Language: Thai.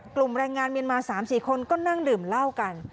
แรงงานเมียนมา๓๔คนก็นั่งดื่มเหล้ากัน